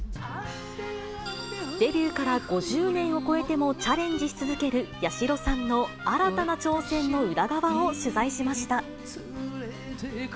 デビューから５０年を超えてもチャレンジし続ける八代さんの新たここで行いますよ。